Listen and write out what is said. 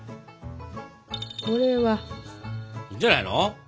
これは！いいんじゃないの？